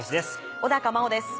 小茉緒です。